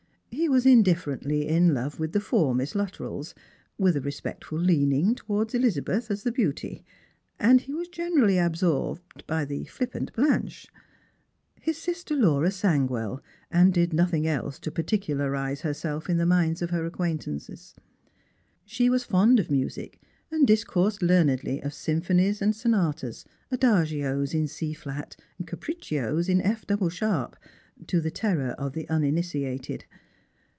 He was indifferently in love with the four Miss Luttrells, with a respectful leaning towards Elizabeth, as the beauty ; and he was generally absorbed by the flipiiant Blanche. His sister Laura sang well, and did nothing else to I^articularise herself in the minds of her acquaintance. She was fond of music and discoursed learnedly of symphonies and sonatas, adagios in flat and capriccios in F double sharp, to the terror of the uninitiated.